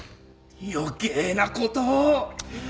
余計なことを。